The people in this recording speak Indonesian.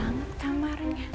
ada kantor rakit